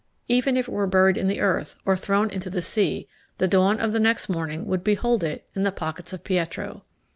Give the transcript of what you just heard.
Even if it were buried in the earth, or thrown into the sea, the dawn of the next morning would behold it in the pockets of Pietro.